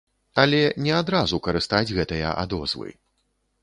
Але не адразу карыстаць гэтыя адозвы.